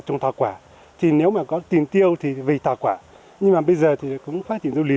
trồng thỏa quả thì nếu mà có tiền tiêu thì vì thỏa quả nhưng mà bây giờ thì cũng phát triển du lịch